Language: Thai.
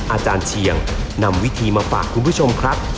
อาจารย์เชียงนำวิธีมาฝากคุณผู้ชมครับ